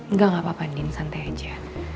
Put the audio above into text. nggak nggak apa apa din santai aja